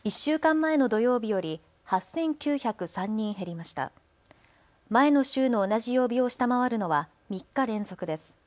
前の週の同じ曜日を下回るのは３日連続です。